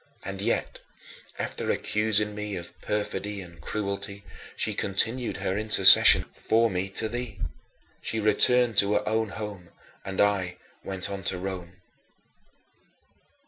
And yet, after accusing me of perfidy and cruelty, she still continued her intercessions for me to thee. She returned to her own home, and I went on to Rome.